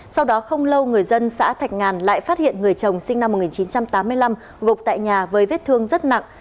sau đó không lâu người dân xã thạch ngàn lại phát hiện người chồng sinh năm một nghìn chín trăm tám mươi năm gộp tại nhà với vết thương rất nặng